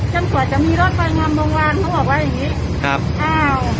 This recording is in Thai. กว่าจะมีรถไฟงามโรงพยาบาลเขาบอกว่าอย่างงี้ครับอ้าว